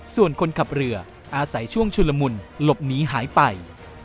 ส่วนคนขับเรืออาศัยช่วงชุลมุนหลบหนีหายไป